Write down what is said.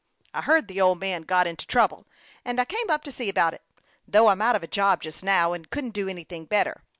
I heard the old man had got into trouble, and I came up to see about it, . though I'm out of a job just now, and couldn't do anything better.